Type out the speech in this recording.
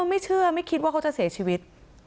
ไม่เชื่อไม่คิดว่าเขาจะเสียชีวิต